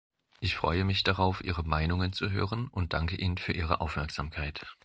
Ich freue mich darauf, Ihre Meinungen zu hören, und danke Ihnen für Ihre Aufmerksamkeit.